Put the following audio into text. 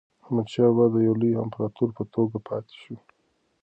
احمدشاه بابا د یو لوی امپراتور په توګه پاتې شو.